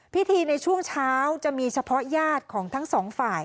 ในช่วงเช้าจะมีเฉพาะญาติของทั้งสองฝ่าย